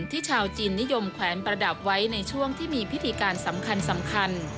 ชาวจีนนิยมแขวนประดับไว้ในช่วงที่มีพิธีการสำคัญ